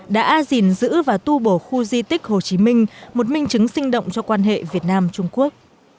đã gìn giữ và tu bổ khu di tích hồ chí minh một minh chứng sinh động cho quan hệ việt nam trung quốc